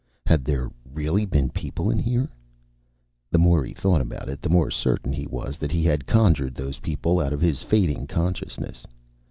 Had there really been people in here? The more he thought about it, the more certain he was that he had conjured those people out of his fading consciousness.